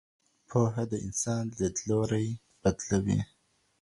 پوهه د انسان لید لوری بدلوي.